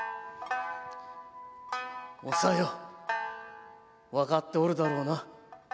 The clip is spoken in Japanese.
お小夜分かっておるだろうな。